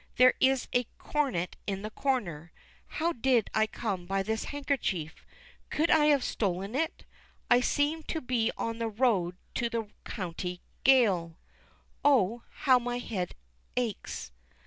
There is a coronet in the corner. How did I come by this handkerchief? Could I have stolen it? I seem to be on the road to the county gaol. Oh, how my head aches!